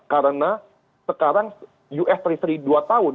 karena sekarang us tiga puluh tiga dua tahun